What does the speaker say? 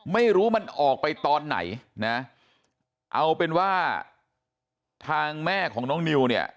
ไม่รู้มันออกไปตอนไหนนะเอาเป็นว่าทางแม่ของน้องนิวเนี่ย